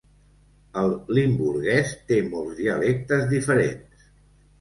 El limburguès té molts dialectes diferents.